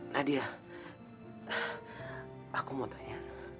nadia aku mau tanya